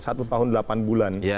satu tahun delapan bulan